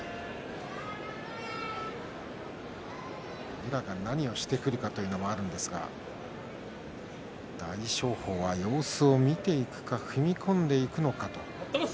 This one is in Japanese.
宇良が何をしてくるかということもありますが大翔鵬は様子を見ていくか踏み込んでいくのか。